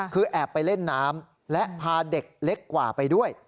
คือแอบไปเล่นน้ำและพาเด็กเล็กกว่าไปด้วย